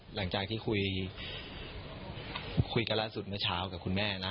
หลังจากที่คุยกันล่าสุดเมื่อเช้ากับคุณแม่นะ